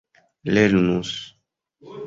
lernus